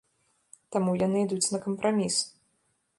Таму яны ідуць на кампраміс.